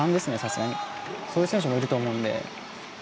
そういう選手もいると思うので。